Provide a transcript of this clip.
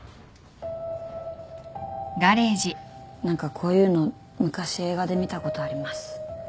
何かこういうの昔映画で見たことあります。